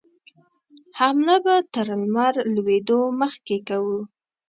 حمله به تر لمر لوېدو مخکې کوو.